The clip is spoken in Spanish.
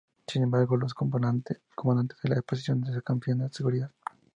Sin embargo, los comandantes de la posición desconfiaban de su seguridad.